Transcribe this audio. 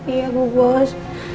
iya bu bos